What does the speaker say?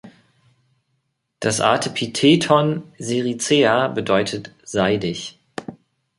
Das Artepitheton "sericea" bedeutet seidig.